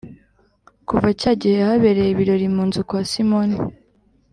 kuva cya gihe habereye ibirori mu nzu kwa simoni